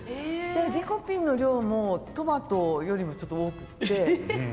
リコピンの量もトマトよりもそうなの？